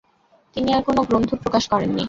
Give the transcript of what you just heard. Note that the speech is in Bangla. তিনি আর কোন গ্রন্থ প্রকাশ করেননি।